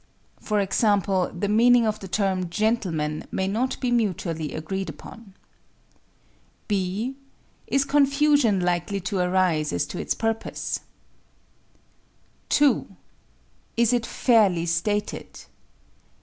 (For example, the meaning of the term "gentleman" may not be mutually agreed upon.) (b) Is confusion likely to arise as to its purpose? 2. _Is it fairly stated?